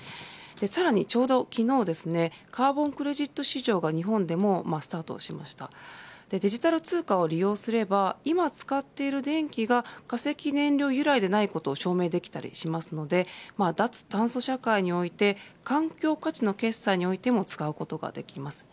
さらに、ちょうど昨日カーボンクレジット市場が日本でもスタートしましたデジタル通貨を利用すれば今使っている電気が化石燃料由来でないことを証明できたりしますので脱炭素社会において環境価値の決済においても使うことができます。